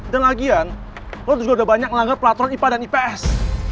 dan lagian lo tuh udah banyak nyalanggar peraturan ipa dan ips